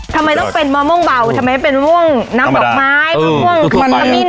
ทำไมต้องเป็นมะม่วงเบาทำไมเป็นม่วงน้ำดอกไม้มะม่วงมันขมิ้น